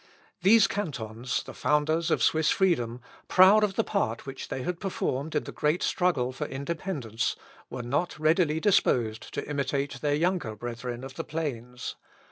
These cantons, the founders of Swiss freedom, proud of the part which they had performed in the great struggle for independence, were not readily disposed to imitate their younger brethren of the plains.